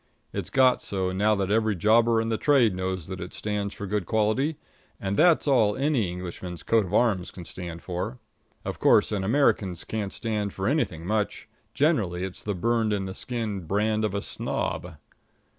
It's got so now that every jobber in the trade knows that it stands for good quality, and that's all any Englishman's coat of arms can stand for. Of course, an American's can't stand for anything much generally it's the burned in the skin brand of a snob.